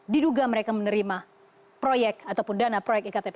diduga mereka menerima proyek ataupun dana proyek iktp